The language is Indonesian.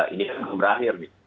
ini kan berakhir nih